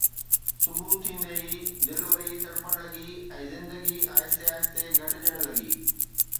صبح ٿيندي ئي دل وري تڙپڻ لڳي، ۽ زندگي آهستي آهستي گهٽجڻ لڳي